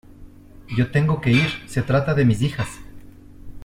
yo tengo que ir, se trata de mis hijas.